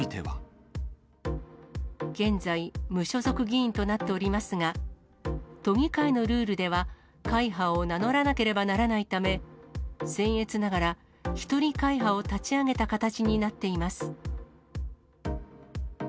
現在、無所属議員となっておりますが、都議会のルールでは会派を名乗らなければならないため、せん越ながら、一人会派を立ち上げた形になっています。